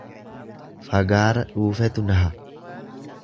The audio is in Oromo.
Fagaara dhuufetu naha.